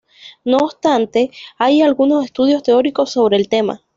No obstante, hay algunos estudios teóricos sobre el tema.